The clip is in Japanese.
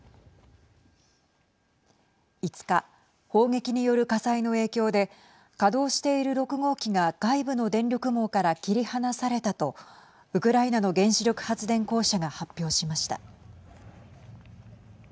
５日、砲撃による火災の影響で稼働している６号機が外部の電力網から切り離されたとウクライナの原子力発電公社が発表しました。